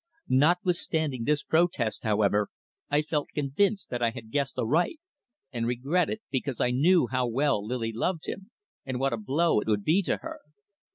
Notwithstanding this protest, however, I felt convinced that I had guessed aright, and regretted, because I knew how well Lily loved him, and what a blow it would be to her.